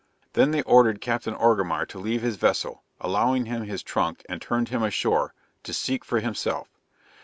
Then they ordered Captain Orgamar to leave his vessel, allowing him his trunk and turned him ashore, to seek for himself.